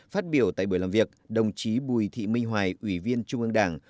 phát biểu tại buổi làm việc đồng chí bùi thị minh hoài ủy viên trung ương đảng